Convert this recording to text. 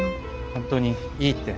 本当にいいって。